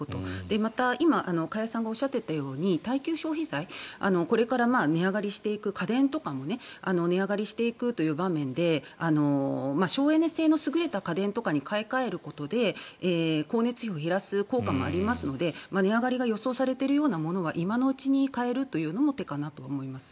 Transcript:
また、今、加谷さんがおっしゃっていたように耐久消費財これから値上げしていく家電とかも値上がりしていくという場面で省エネ性の優れた家電に買い替えることで光熱費を減らす効果もありますので値上がりが予想されているものは今のうちに替えるというのも手かなと思います。